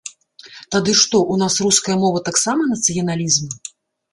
Тады што, у нас руская мова таксама нацыяналізм?